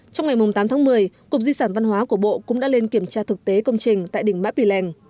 trong ngày tám tháng một mươi cục di sản văn hóa của bộ cũng đã lên kiểm tra thực tế công trình tại đỉnh mã pì lèng